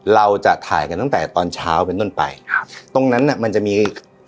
เราจะถ่ายกันตั้งแต่ตอนเช้าเป็นต้นไปครับตรงนั้นน่ะมันจะมี